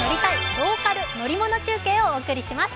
ローカル乗り物中継」をお送りします。